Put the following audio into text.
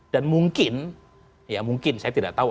dan mungkin ya mungkin saya tidak tahu